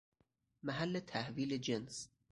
محل تحویل جنس